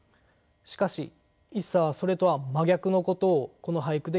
しかし一茶はそれとは真逆のことをこの俳句で言っています。